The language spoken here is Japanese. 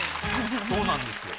そうなんですよ。